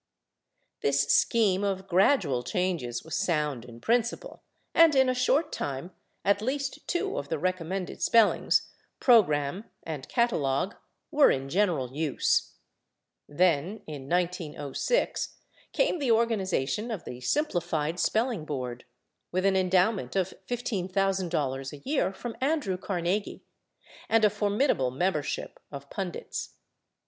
This scheme of gradual changes was sound in principle, and in a short time at least two of the recommended spellings, /program/ and /catalog/, were in general use. Then, in 1906, came the organization of the Simplified Spelling Board, with an endowment of $15,000 a year from Andrew Carnegie, and a formidable membership of pundits.